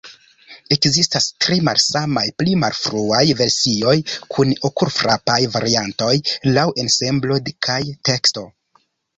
Ekzistas tri malsamaj pli malfruaj versioj kun okulfrapaj variantoj laŭ ensemblo kaj teksto.